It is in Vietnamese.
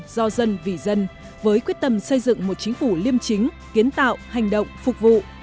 do dân vì dân với quyết tâm xây dựng một chính phủ liêm chính kiến tạo hành động phục vụ